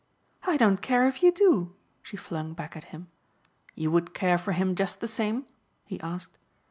"I don't care if you do," she flung back at him. "You would care for him just the same?" he asked.